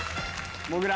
もぐら。